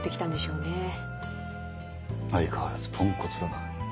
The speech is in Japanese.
相変わらずポンコツだな。